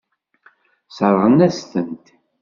Sseṛɣen-as-tent.